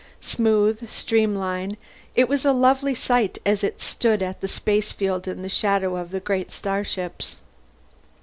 Smooth, streamlined, it was a lovely sight as it stood at the spacefield in the shadow of the great starships.